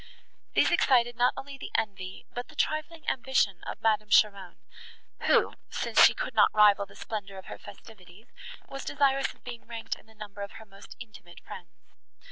These excited not only the envy, but the trifling ambition of Madame Cheron, who, since she could not rival the splendour of her festivities, was desirous of being ranked in the number of her most intimate friends.